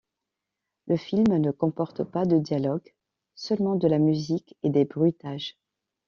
Le film ne comporte pas de dialogues, seulement de la musique et des bruitages.